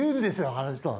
あの人は。